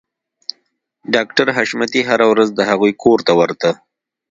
ډاکټر حشمتي هره ورځ د هغوی کور ته ورته